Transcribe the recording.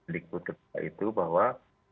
dari publik buddha itu bahwa